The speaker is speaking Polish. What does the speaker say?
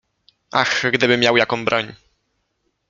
Ach, gdybym miał jaką broń!